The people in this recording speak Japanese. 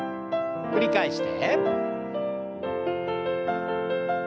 繰り返して。